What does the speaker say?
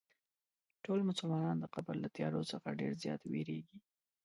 ټول مسلمانان د قبر له تیارو څخه ډېر زیات وېرېږي.